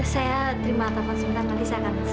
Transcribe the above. saya terima telepon sebentar nanti saya akan